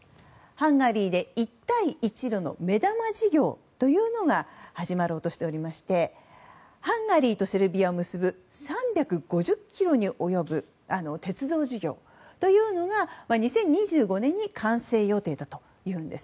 ハンガリーで一帯一路の目玉事業というのが始まろうとしておりましてハンガリーとセルビアを結ぶ３５０ｋｍに及ぶ鉄道事業というのが２０２５年に完成予定だというんです。